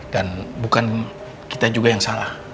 dan bukan kita juga yang salah